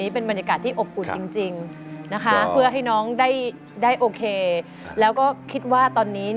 พลิกตัวนะคะชงกดูคุณดู